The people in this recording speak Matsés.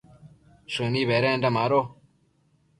shëni bedenda mado